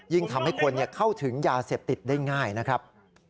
ยิ่งทำให้คนเข้าถึงยาเสพติดได้ง่ายนะครับ